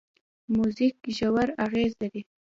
موزیک ژور اغېز لري.